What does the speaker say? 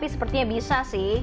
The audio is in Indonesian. sepertinya bisa sih